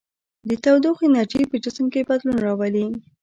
د تودوخې انرژي په جسم کې بدلون راولي.